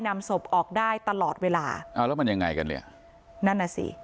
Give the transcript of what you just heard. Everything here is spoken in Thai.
นำศพออกได้ตลอดเวลาอ้าวแล้วมันยังไงกันเนี่ยนั่นน่ะสิ